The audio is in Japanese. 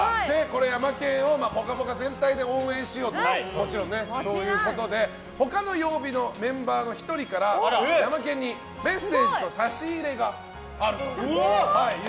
ヤマケンを「ぽかぽか」全体で応援しようということで他の曜日のメンバーの１人からヤマケンにメッセージと差し入れが。